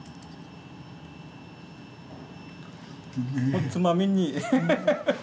おつまみに。